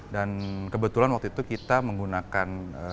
dan kebetulan waktu itu kita menggunakan program satria ini